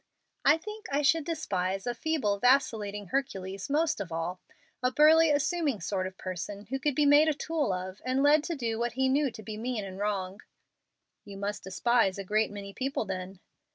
"I think I should despise a feeble, vacillating Hercules most of all a burly, assuming sort of person, who could be made a tool of, and led to do what he knew to be mean and wrong." "You must despise a great many people then."